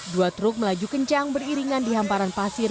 dua truk melaju kencang beriringan di hamparan pasir